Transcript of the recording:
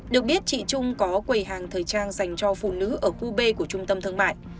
được biết chị trung có quầy hàng thời trang dành cho phụ nữ ở khu b của trung tâm thương mại